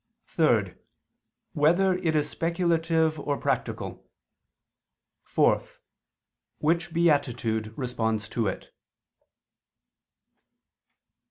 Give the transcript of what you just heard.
(3) Whether it is speculative or practical? (4) Which beatitude responds to it?